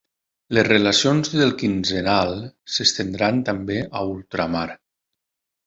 Les relacions del quinzenal s'estendran també a ultramar: